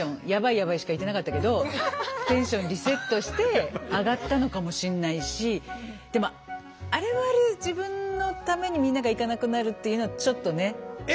ヤバいしか言ってなかったけどテンションリセットして上がったのかもしんないしでもあれはあれで自分のためにみんなが行かなくなるっていうのはちょっとね。笑